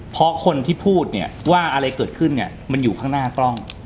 เพราะคนที่พูดเนี่ยว่าอะไรเกิดขึ้นเนี่ยมันอยู่ข้างหน้ากล้อง